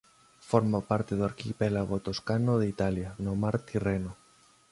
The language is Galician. Forma parte do arquipélago toscano de Italia no mar Tirreno.